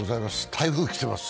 台風来てます。